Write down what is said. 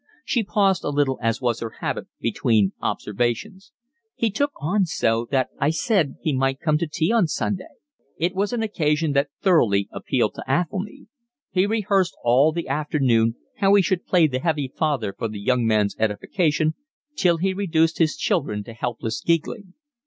She paused a little as was her habit between observations. "He took on so that I said he might come to tea on Sunday." It was an occasion that thoroughly appealed to Athelny. He rehearsed all the afternoon how he should play the heavy father for the young man's edification till he reduced his children to helpless giggling.